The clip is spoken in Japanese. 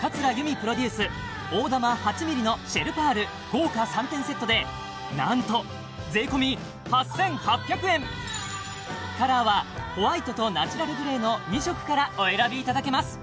桂由美プロデュース大珠８ｍｍのシェルパール豪華３点セットでなんとカラーはホワイトとナチュラルグレーの２色からお選びいただけます